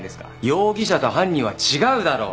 容疑者と犯人は違うだろ！